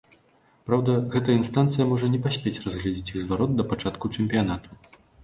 Праўда, гэтая інстанцыя можа не паспець разгледзець іх зварот да пачатку чэмпіянату.